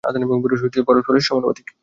আধান এবং বিভব পরস্পরের সমানুপাতিক।